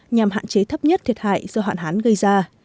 nhằm hạn chế thấp nhất thiệt hại do hạn hán gây ra